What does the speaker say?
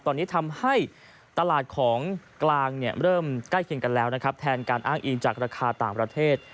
ตอนนี้ทำให้ตลาดของกลางเริ่มใกล้เคียงกันแล้วนะครับแทนการอ้างอิงจากราคาต่างประเทศ